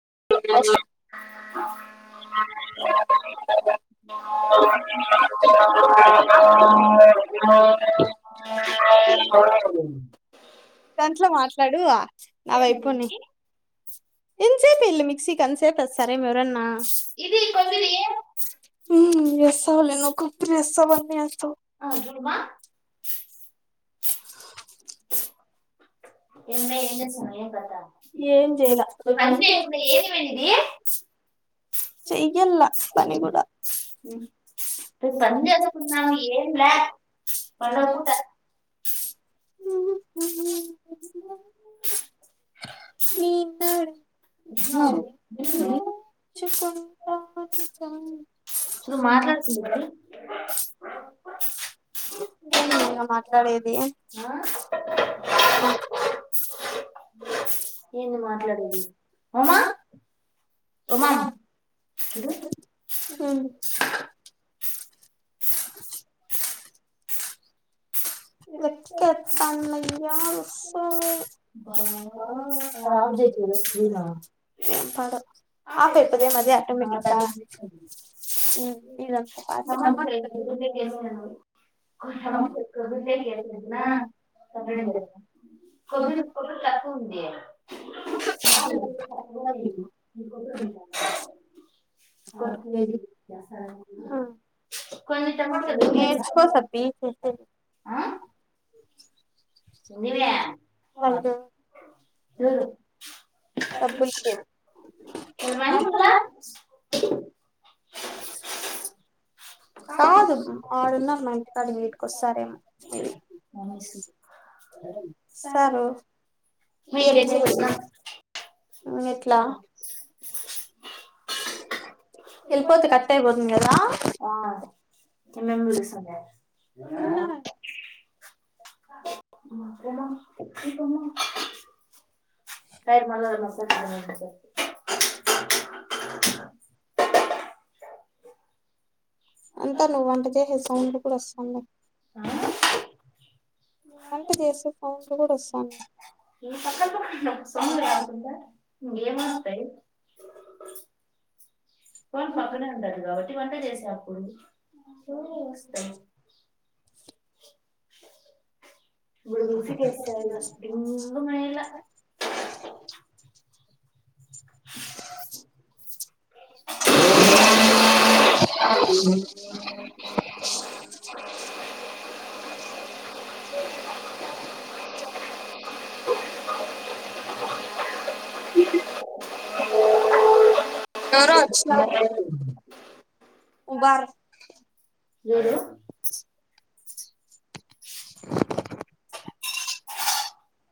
[unintelligible] [unintelligible] Ten లో మార్ డు నాపోని ఇంతసేపు ఇల్ళ మిక్సీ కంతసేపుది సరే ఎవరన్నా ఇది కొద్దిది [unintelligible] ఆ జూడ్మా ఏం చేస్తున్నావేమ్ పెద్ద ఏం చేయలా పంచాయకుండా దమ్మీ నీది [unintelligible] చెయ్యల్ల పని కూడా రేపు పని చేసుకున్నాము ఏం లే పండుగ పూట [unintelligible] [inaudible] [inaudible] [unintelligible] చూడు మా మాట్లాడుతుంది ఇది. ఏ మాట్లాడేది ఆ ఏంటి మాట్లాడేది ఉమా కమ్ ఆన్ [inaudible] లెక్కఎత్తా నయ్యా చూడు కొబ్బరిలేక పడ ఆపేతాది మద అటమ ఇదంత పాటు వేసేదినా [unintelligible] [inaudible] కొబరి కొబిరి తక్కువ ఉంది. [unintelligible] కొ కొన్ని టమాటా నేర్చుకో సత్తి ఆ ఏమి ఎవరు? డబ్బు విషయం [inaudible] కాదు ఆడున్నారు మాఇంటికాడ ఈటికివస్తారేమో [unintelligible] సారు ఈ ఏమి డేస్ లేదు పెట్టినా ఎట్లా ఎల్లిపోతే కట్ అయిపోతుంది కదా ఏమీ మీ అమ్మ పిలుస్తుంది [inaudible] [unintelligible] [unintelligible] అంతా నువ్వు వంట చేసే సౌండ్ కూడా వస్తుంది. అ వంటి చేసి ఈ సంకల్ప సమ్మకుంద ఏంస్తాయి [unintelligible] ఫోన్ పక్కనే ఉంటది కాబట్టి వంట చేసేప్పుడు చూడు వస్తవ్ ఇప్పుడు ఏమ మిక్సీకి వేస్తారు ఇగ డింగుమనేలా ఆ ఇ అ అ ఆ ఎవరో వచ్చినారు ఉబార్ చూడు ఆ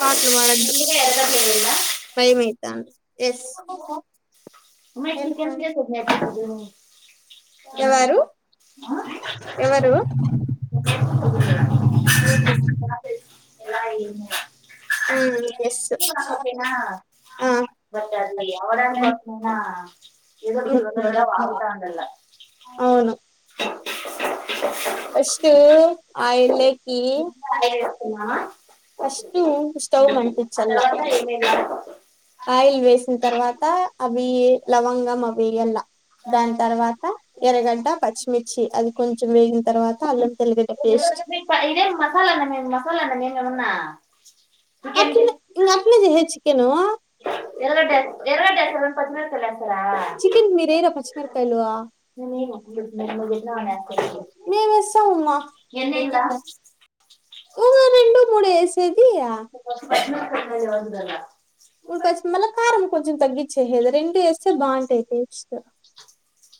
పాట్లు పాడదు ఎందుకే ఎరగట్లేదుందా భయం అయితాంది ఎస్ చికెన్ చేసేది నేర్పిస్తా విను ఎవరు ఎవరు ఆ ఎలా ఏమి హ్మ్ ఎస్ ఓకే నా ఆ బట్ అది అవ్వడాని కోసం అయినా ఎదో ఒక్కటి చురు చురుగా వాగుతాండల అవున్ ఫస్టు ఆయిల్ లోకి ఆయిల్ వేస్తున్నామా ఫస్టు స్టవ్ అంటించలా పోయిన ఆయిల్ వేసిన తర్వాత అవి లవంగం అవి ఏయలా దాని తర్వాత ఎర్రగడ్డ పచ్చిమిర్చి అది కొంచెం వేగిన తర్వాత అల్లం తెల్లిగడ్డ పేస్ట్ ఇదే ఏం మసాలా అన్నం మసాలా అన్నం ఏం కాదు ఏమన్న అట్లనే ఇంగ అట్లనే చేసేది చికెను ఎరగడ్డ ఎస్ ఎరగడ్డ ఎస్తారు పచ్చిమిరపకాయ లు ఎస్ చికెన్ మీరు్యేయరా పచ్చిమిరపకాయలు మేము మేయము నువ్వు చేపినవి అని ఎస్తున్న మేమేస్తామమ్మా ఎన్ని ఏయలా ఆ ఓక రెండు మూడు వేసేది పచ్చిమిరపకాయ [unintelligible] ఉ పచ్చి మళ్ళా కారం కొంచం తగ్గచ్చేహెయేది రెండు వేస్తే బాగుంటాయి టేస్ట్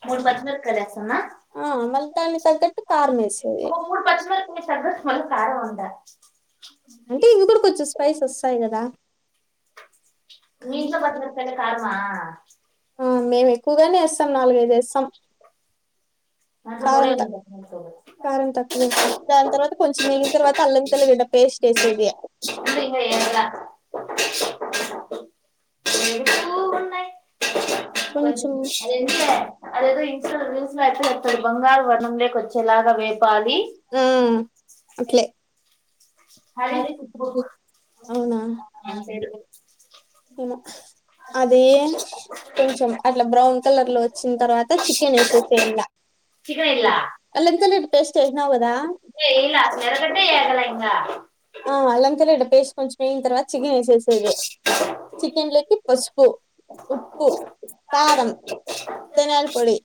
మూడు పచ్చిమిరపకాయలు వేస్తాన్న ఆ మళ్ళ దాన్ని తగ్గట్టు కారం వేసేది ఫుల్ కారం వంట అంటే ఇవి కూడా కొంచెం స్పైస్ వస్తాయి కదా మీ ఇంట్లో [unintelligible] కారమా ఆ మేము ఎక్కువగానే ఏస్తాం నాలుగైదు ఏస్తాం అ కారం త కారం తక్కువేస్తం దాని తర్వాత కొంచెం మిగిలిన తర్వాత అల్లంతెల్గడ్డ పేస్ట్ వే [unintelligible] ఏమో ఏయల అ [unintelligible] ఇన్స్ట న్యూస్లో అవి బంగారు వర్ణంలోకొచ్చెల్లాగా వే ఆ అట్లే మరి బుక్ [unintelligible] అవునా అటు సైడు ఏమో అది కొంచెం అట్లా బ్రౌన్ కలర్ లో వచ్చిన తర్వాత చికెన్ వేసేసి చికెన్ ఇల్లా అల్లం తెల్లగడ్డ పేస్ట్ ఏసినావు కదా ఆ ఆ అలంతెల్లగడ్డ పేస్ట్ కొంచెం వేగిన తర్వాత చిగెన్ వేసేసేది చికెన్లోకి పసుపు ఉప్పు కారం ధన్యాల పొడి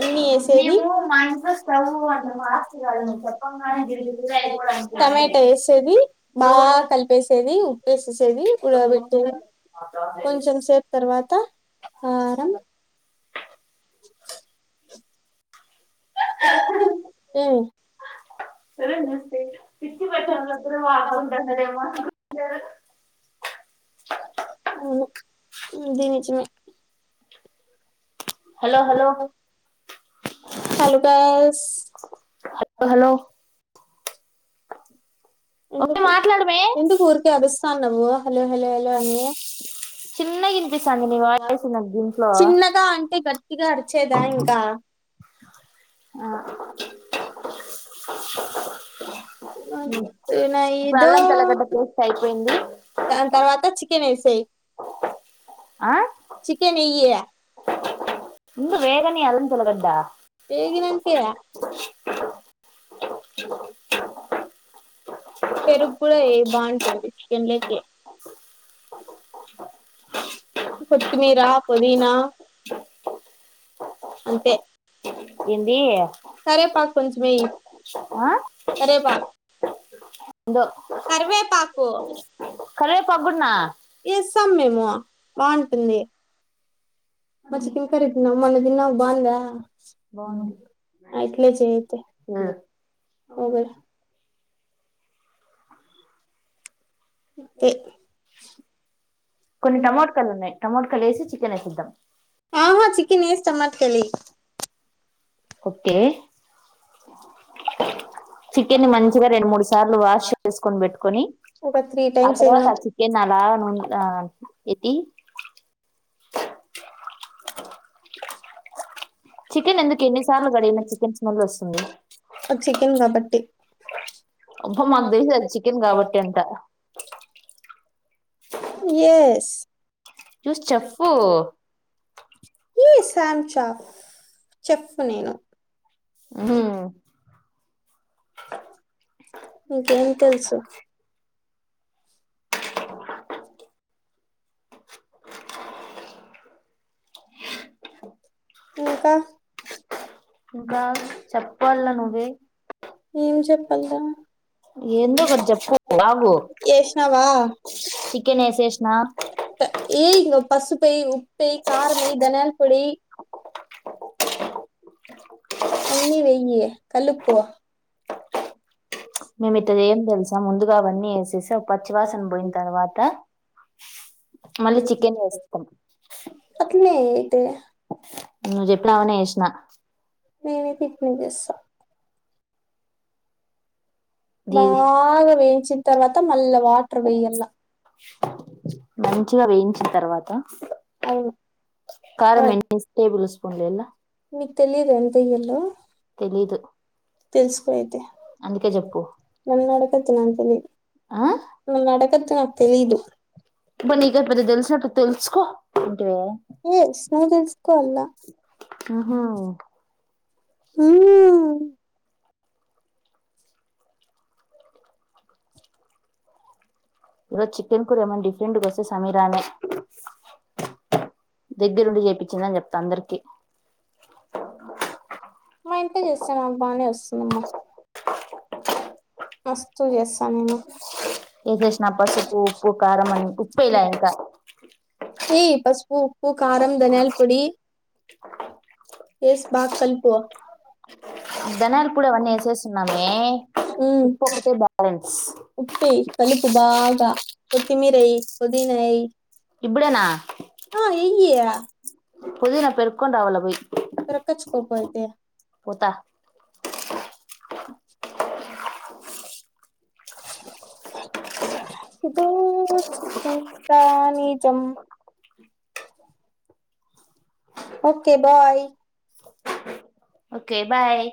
అన్ని వేసేది మేము మా ఇంట్లో స్టవ్ అంత ఫాస్ట్ కాదు నువ్వు చెప్పంగానే గిర గిర అయిపో టమాటా వేసేది బాగా కలిపేసేది ఉప్పేసేసేది ఉడకబెట్టే కొంచెం సేపు తర్వాత కారం అ సరే నమస్తే [unintelligible] దించిన హలో హలో హాలుకాస్ హలో హలో ఓకే ఎందుకు మాట్లాడమే ఎందుకు ఊరికే అరుస్తాన్నవు హలో హలో హలో అని చిన్నగా వినిపిస్తుంది నీ వాయిస్ నాకు దీంట్లో చిన్నగా అంటే గట్టిగా అరిచేదా ఇంకా ఆ ఇప్పుడు ఏదో అల్లం తెల్లగడ్డ పేస్ట్ అయిపోయింది దాని తర్వాత చికెన్ వేసేయి ఆ చికెన్ ఇ ముందు వేగనే అల్లం తెల్లగడ్డా వేగినంకేయాలి పెరుగు కూడ ఎయ్యి బాగుంటుంది చికెన్లకి కొత్తిమీరా పుదీనా అంతే ఏంది కరెపాక్ కొంచమేయి కరేపాక్ కర్వేపాకు కూడ్నా సమెము బాంటుంధి మ తిన్కరీత నవ్ మొన దినవ బాందా బాన్ధి ఇట్లేజ అయితే వగర ఇన్థె కొన్ని టమాోటకాలు ఉన్నాయి టమాోటకాలు వేసి చికెన్ వేసిద్దాం ఆహా చికెన్ ఏస్ టమాట్ కళ ఎయి ఓకి స చికెన్ మంచిగా రెండు మూడు సార్లు వాష్ చేసుకొని పెట్టుకొని ఒక త్రీ ఆ టైమ్స్ అయినా తర్వాత చికెన్ అలా నూ ఎతి చికెన్ ఎందుకు ఎన్ని సార్లు కడిగిన చికెన్ స్మెల్ వస్తుంది చికెన్ కాబట్టి అబ మాకు తెసది చికెన్ కాబట్టి అంట ఎస్ చూసి చెప్పు ఇవి సామ్ చాఫ చెప్పు నేను ఉమ్ ఇంకేం తెలుసు ఇంకా ఇంకా చెప్పాల నువ్వే ఏం చెప్పాలరా ఏందో ఒకటి చెప్పు ఆగు ఈష్ణవా చికెన్ వేసేసిన ఎయి నువ్వు పసుపు ఎయి ఉప్పు ఎయి కరం ఎయి దన్యాలపోడి ఎయి అన్ని వెయ్యి కలుపు మేమి ఇతడ ఏం తెలుసాం ముందుగా అవన్నీ వేసేసి పచ్చివాసన పోయిన తర్వాత మళ్ళీ చికెన్ వేస్తాం అట్లానే వెయ్యి అయితే నువ్వు చెప్పినావనే వేసిన నేను అయితే ఇట్లే చెస్థామ్ ఇది బాగా వేయించిన తర్వాత మళ్ళ వాటర్ వెయ్యలా మచ్చగా వేయించిన తర్వాత అవును కారం ఎ టేబుల్ స్పూన్లు వెయ్యాల మీకు తెలిదు ఎంత వెయ్యల్లో తెలీదు తెలుసుకో అయితే అందుకే చెప్పు నన్న అడకత్ నా తెలిదు ఆ నన్న అడకత్ నాకు తెలిదు ఇప్పుడు నీకు పెద్ద థెలిసి నట్టు థెలుసు ఏ స్ నువ్వు తెలుసుకోవాల ఉహు. ఉమ్ ఈరోజు చికెన్ కూర ఏమైనా డిఫరెంట్ వస్తే సమీరానే దగ్గరుండి చెపించినప్ప్తా అందరికి మా ఇంత చేస్తాను బానే వస్తుందమ్మా మస్తు చేస్తాను నేను ఏదేష్ణ పసుపు ఉప్పు కారంమ ఉప్పు ఇలా ఇంకా ఉ ఉప్పు కారం ధనియాల పొడి ఏస్ బాగా కలిపు దనాల్ కూడా వన్న ఎసే సన్నామే ఉప్పుకతే బ్యాలెన్స్ ఉప్పి కలుపు బాగా కొత్తిమరై పోధిన ఇప్పుడేనా ఆ ఎయి పదున పెర్కొడావాల పోయి పెరకచ్చుకోపోయితే పోత ఆ ఇదో చ కుంద నిజం ఆ ఓకే బాయ్ ఓకే బాయ్